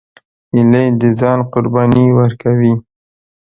هیلۍ د ځان قرباني ورکوي